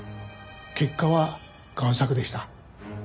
結果は贋作でした。